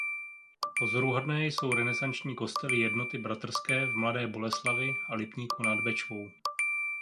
Pozoruhodné jsou renesanční kostely Jednoty bratrské v Mladé Boleslavi a Lipníku nad Bečvou.